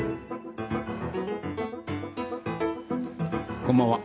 こんばんは。